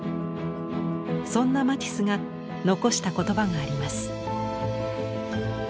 そんなマティスが残した言葉があります。